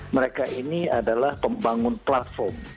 mereka ini adalah pembangun platform